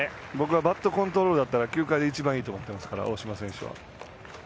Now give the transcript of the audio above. バットコントロール球界で一番いいと思ってますから大島選手は。